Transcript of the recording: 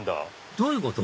どういうこと？